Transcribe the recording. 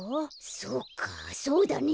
そうかそうだね。